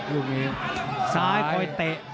สายตาไปเตะ